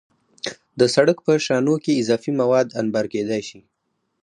د سړک په شانو کې اضافي مواد انبار کېدای شي